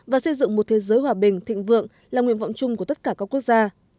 và xây dựng một thế giới hòa bình thịnh vượng là nguyện vọng chung của tất cả các quốc gia